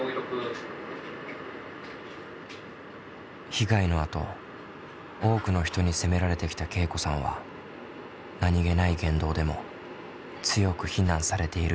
被害のあと多くの人に責められてきたけいこさんは何気ない言動でも強く非難されているように感じます。